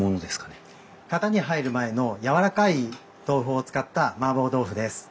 型に入る前のやわらかい豆腐を使った麻婆豆腐です。